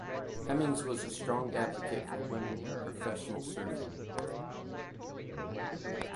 Hemmings was a strong advocate for women in professional surfing.